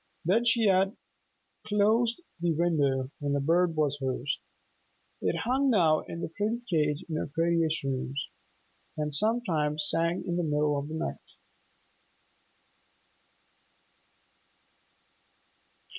Then she had closed the window and the bird was hers. It hung now in the pretty cage in her prettiest room, and sometimes sang in the middle of the night.